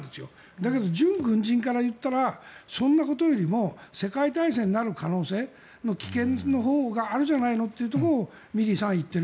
だけど準軍人から言ったらそんなことよりも世界大戦になる可能性の危険のほうがあるじゃないのというところをミリーさんは言っている。